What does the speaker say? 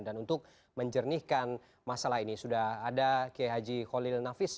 dan untuk menjernihkan masalah ini sudah ada k h kholil nafis